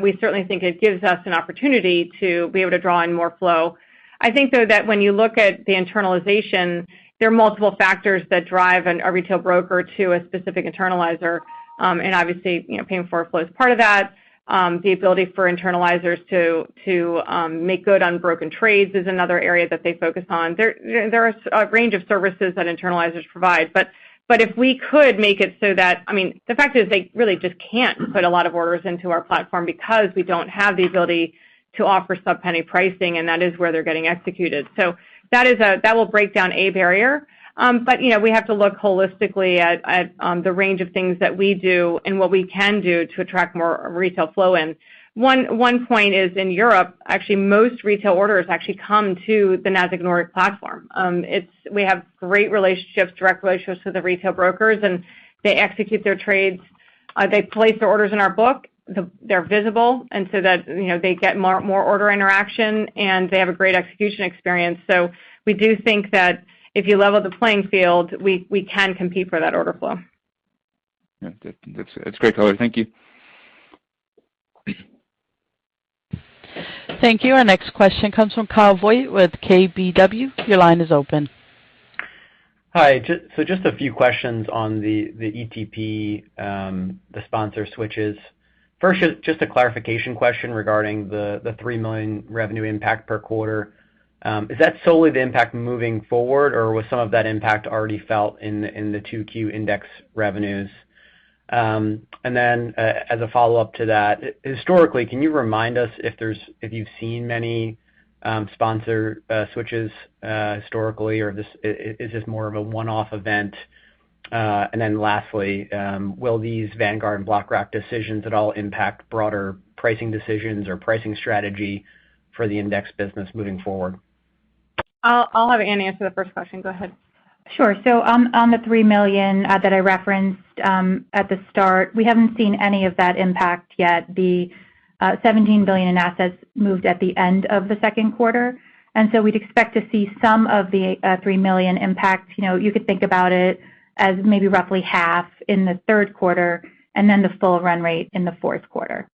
We certainly think it gives us an opportunity to be able to draw in more flow. I think, though, that when you look at the internalization, there are multiple factors that drive a retail broker to a specific internalizer. Obviously, paying for flow is part of that. The ability for internalizers to make good on broken trades is another area that they focus on. There are a range of services that internalizers provide. The fact is they really just can't put a lot of orders into our platform because we don't have the ability to offer sub-penny pricing, and that is where they're getting executed. That will break down a barrier. We have to look holistically at the range of things that we do and what we can do to attract more retail flow in. One point is in Europe, actually, most retail orders actually come to the Nasdaq Nordic platform. We have great relationships, direct relationships with the retail brokers, and they execute their trades. They place their orders in our book, they're visible, and so they get more order interaction, and they have a great execution experience. We do think that if you level the playing field, we can compete for that order flow. Yeah. That's great color. Thank you. Thank you. Our next question comes from Kyle Voigt with KBW. Your line is open. Hi. Just a few questions on the ETP, the sponsor switches. First, just a clarification question regarding the $3 million revenue impact per quarter. Is that solely the impact moving forward, or was some of that impact already felt in the Q2 index revenues? As a follow-up to that, historically, can you remind us if you've seen many sponsor switches historically, or is this more of a one-off event? Lastly, will these Vanguard and BlackRock decisions at all impact broader pricing decisions or pricing strategy for the index business moving forward? I'll have Ann answer the first question. Go ahead. Sure. On the $3 million that I referenced at the start, we haven't seen any of that impact yet. The $17 billion in assets moved at the end of the second quarter, we'd expect to see some of the $3 million impact. You could think about it as maybe roughly half in the third quarter, the full run rate in the fourth quarter.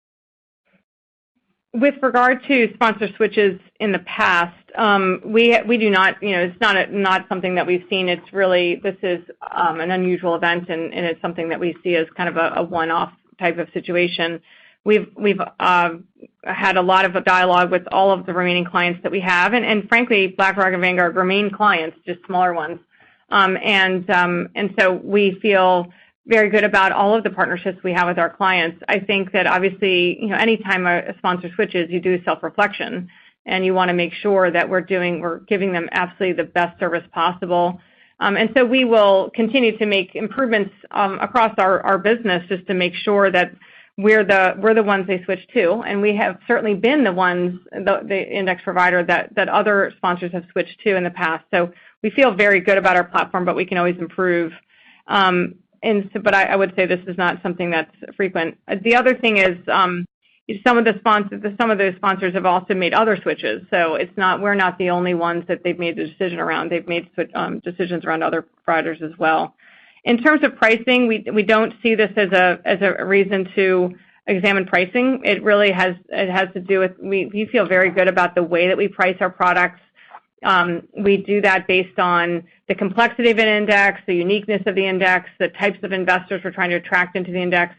With regard to sponsor switches in the past, it's not something that we've seen. This is an unusual event, and it's something that we see as kind of a one-off type of situation. We've had a lot of dialogue with all of the remaining clients that we have, and frankly, BlackRock and Vanguard remain clients, just smaller ones. So we feel very good about all of the partnerships we have with our clients. I think that obviously, anytime a sponsor switches, you do self-reflection, and you want to make sure that we're giving them absolutely the best service possible. So we will continue to make improvements across our business just to make sure that we're the ones they switch to, and we have certainly been the ones, the index provider that other sponsors have switched to in the past. We feel very good about our platform, but we can always improve. I would say this is not something that's frequent. The other thing is some of those sponsors have also made other switches, so we're not the only ones that they've made the decision around. They've made decisions around other providers as well. In terms of pricing, we don't see this as a reason to examine pricing. We feel very good about the way that we price our products. We do that based on the complexity of an index, the uniqueness of the index, the types of investors we're trying to attract into the index,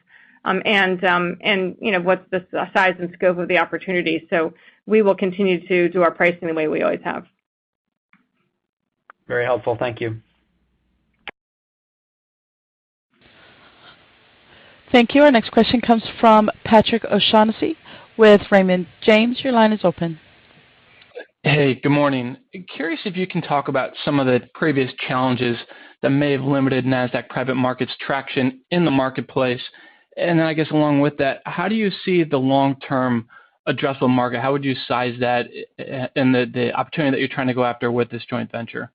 and what's the size and scope of the opportunity. We will continue to do our pricing the way we always have. Very helpful. Thank you. Thank you. Our next question comes from Patrick O'Shaughnessy with Raymond James. Your line is open. Hey, good morning. Curious if you can talk about some of the previous challenges that may have limited Nasdaq Private Market traction in the marketplace. I guess along with that, how do you see the long-term addressable market? How would you size that and the opportunity that you're trying to go after with this joint venture?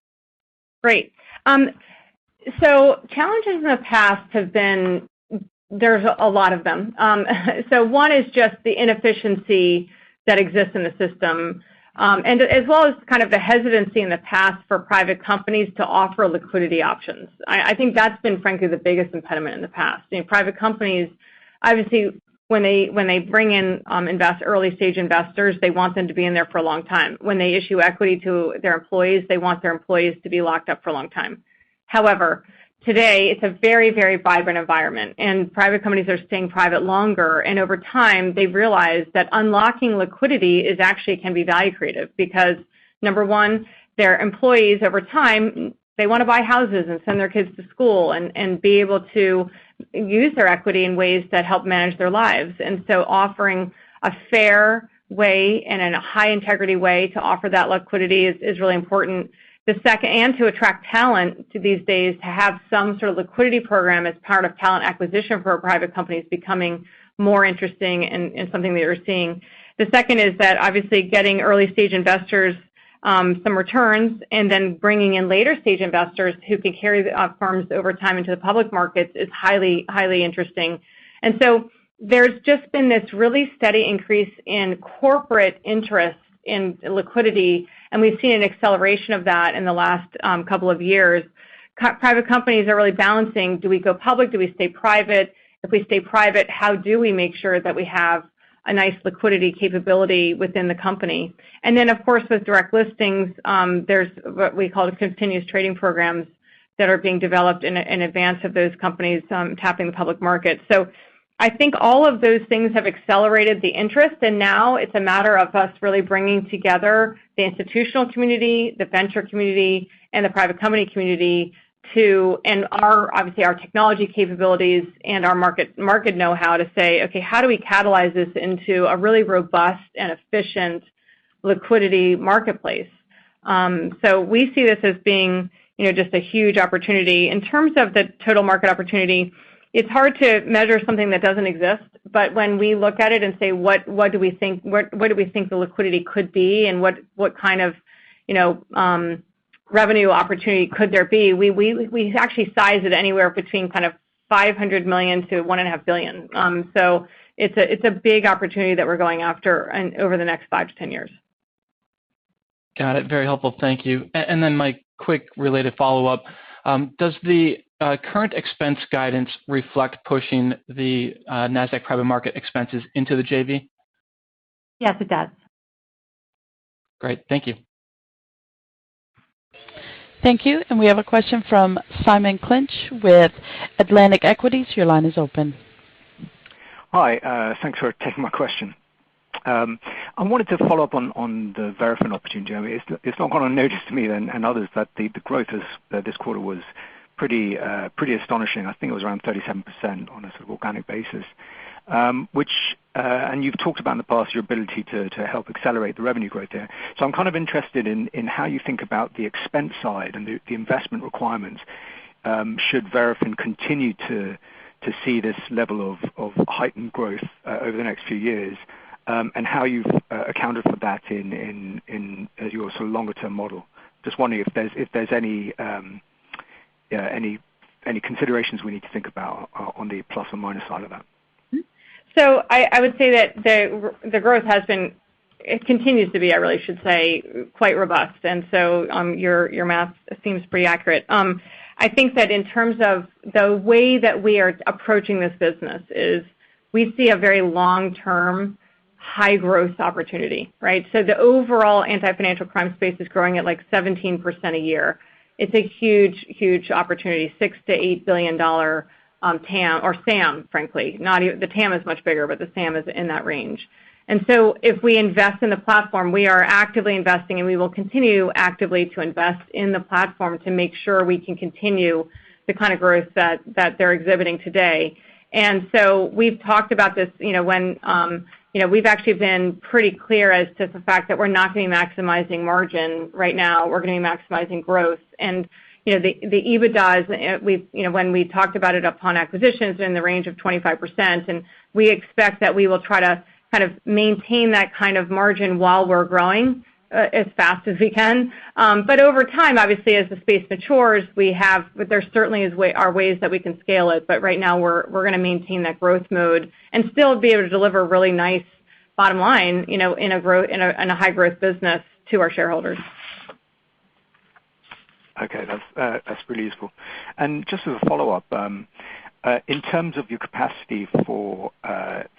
Great. Challenges in the past have been. There's a lot of them. One is just the inefficiency that exists in the system, and as well as kind of the hesitancy in the past for private companies to offer liquidity options. I think that's been, frankly, the biggest impediment in the past. Private companies, obviously, when they bring in early-stage investors, they want them to be in there for a long time. When they issue equity to their employees, they want their employees to be locked up for a long time. Today it's a very vibrant environment, private companies are staying private longer, over time, they've realized that unlocking liquidity is actually can be value creative, because number 1, their employees, over time, they want to buy houses and send their kids to school and be able to use their equity in ways that help manage their lives. Offering a fair way and a high-integrity way to offer that liquidity is really important. To attract talent these days, to have some sort of liquidity program as part of talent acquisition for a private company is becoming more interesting and something that we're seeing. The second is that obviously getting early-stage investors some returns and then bringing in later-stage investors who can carry the firms over time into the public markets is highly interesting. There's just been this really steady increase in corporate interest in liquidity, and we've seen an acceleration of that in the last couple of years. Private companies are really balancing, do we go public? Do we stay private? If we stay private, how do we make sure that we have a nice liquidity capability within the company? Of course, with direct listings, there's what we call the continuous trading programs that are being developed in advance of those companies tapping the public market. I think all of those things have accelerated the interest, and now it's a matter of us really bringing together the institutional community, the venture community, and the private company community, and obviously our technology capabilities and our market know-how to say, Okay, how do we catalyze this into a really robust and efficient liquidity marketplace? We see this as being just a huge opportunity. In terms of the total market opportunity, it's hard to measure something that doesn't exist, but when we look at it and say, what do we think the liquidity could be and what kind of revenue opportunity could there be? We actually size it anywhere between $500 million-$1.5 billion. It's a big opportunity that we're going after over the next five to 10 years. Got it. Very helpful. Thank you. My quick related follow-up, does the current expense guidance reflect pushing the Nasdaq Private Market expenses into the JV? Yes, it does. Great. Thank you. Thank you. We have a question from Simon Clinch with Atlantic Equities. Your line is open. Hi. Thanks for taking my question. I wanted to follow up on the Verafin opportunity. It's not gone unnoticed to me and others that the growth this quarter was pretty astonishing. I think it was around 37% on a sort of organic basis. You've talked about in the past your ability to help accelerate the revenue growth there. I'm kind of interested in how you think about the expense side and the investment requirements should Verafin continue to see this level of heightened growth over the next few years, and how you've accounted for that as your sort of longer-term model. Just wondering if there's any considerations we need to think about on the plus or minus side of that. I would say that the growth has been, it continues to be, I really should say, quite robust. Your math seems pretty accurate. I think that in terms of the way that we are approaching this business is we see a very long-term, high-growth opportunity, right? The overall anti-financial crime space is growing at 17% a year. It's a huge opportunity, $6 billion-$8 billion TAM, or SAM, frankly. The TAM is much bigger, but the SAM is in that range. If we invest in the platform, we are actively investing, and we will continue actively to invest in the platform to make sure we can continue the kind of growth that they're exhibiting today. We've talked about this, we've actually been pretty clear as to the fact that we're not going to be maximizing margin right now. We're going to be maximizing growth. The EBITDA, when we talked about it upon acquisitions in the range of 25%, we expect that we will try to kind of maintain that kind of margin while we're growing as fast as we can. Over time, obviously, as the space matures, there certainly are ways that we can scale it. Right now we're going to maintain that growth mode and still be able to deliver really nice bottom line in a high-growth business to our shareholders. Okay. That's really useful. Just as a follow-up, in terms of your capacity for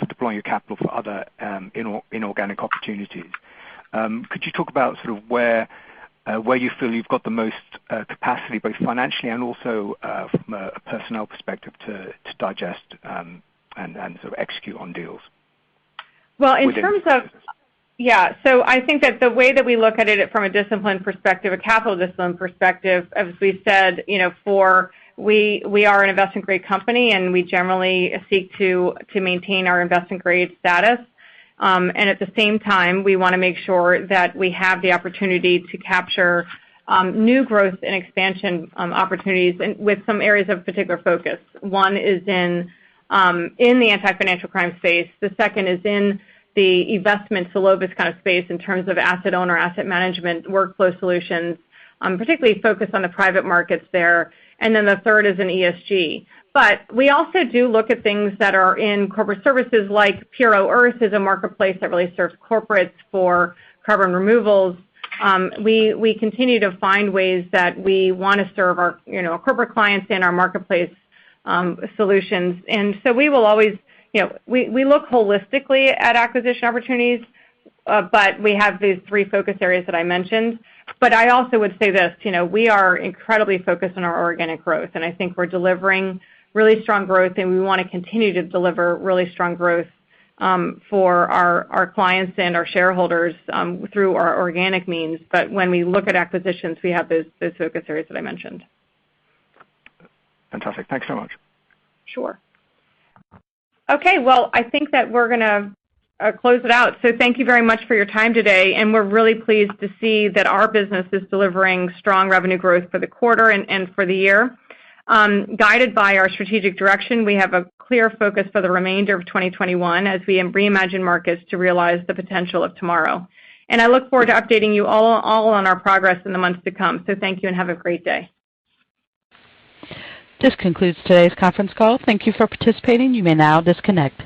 deploying your capital for other inorganic opportunities, could you talk about sort of where you feel you've got the most capacity, both financially and also from a personnel perspective to digest and sort of execute on deals? Well, I think that the way that we look at it from a discipline perspective, a capital discipline perspective, as we've said, we are an investment-grade company, and we generally seek to maintain our investment-grade status. At the same time, we want to make sure that we have the opportunity to capture new growth and expansion opportunities with some areas of particular focus. One is in the anti-financial crime space. The second is in the eVestment, the low-risk kind of space in terms of asset owner, asset management, workflow solutions, particularly focused on the private markets there. The third is in ESG. We also do look at things that are in corporate services like Puro.earth is a marketplace that really serves corporates for carbon removals. We continue to find ways that we want to serve our corporate clients and our marketplace solutions. We look holistically at acquisition opportunities, but we have these three focus areas that I mentioned. I also would say this, we are incredibly focused on our organic growth, and I think we're delivering really strong growth, and we want to continue to deliver really strong growth for our clients and our shareholders through our organic means. When we look at acquisitions, we have those focus areas that I mentioned. Fantastic. Thanks so much. Sure. Okay, well, I think that we're going to close it out. Thank you very much for your time today, and we're really pleased to see that our business is delivering strong revenue growth for the quarter and for the year. Guided by our strategic direction, we have a clear focus for the remainder of 2021 as we reimagine markets to realize the potential of tomorrow. I look forward to updating you all on our progress in the months to come. Thank you and have a great day. This concludes today's conference call. Thank you for participating. You may now disconnect.